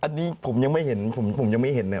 อันนี้ผมยังไม่เห็นผมยังไม่เห็นนะ